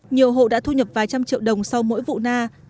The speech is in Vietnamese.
nhiều hộ đã thu nhập vài trăm triệu đồng sau mỗi vụ na